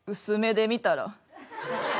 薄目で見たら。